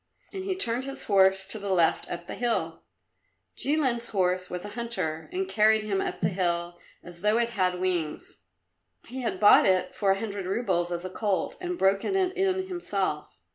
And he turned his horse to the left up the hill. Jilin's horse was a hunter and carried him up the hill as though it had wings. He had bought it for a hundred roubles as a colt, and broken it in himself.